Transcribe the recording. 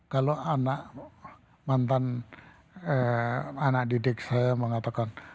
kalau anak mantan anak didik saya mengatakan